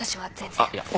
あっいや。